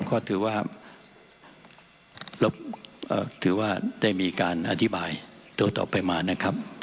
ก็ถือว่าถือว่าได้มีการอธิบายตัวต่อไปมานะครับ